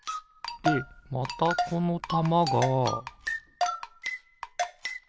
でまたこのたまがピッ！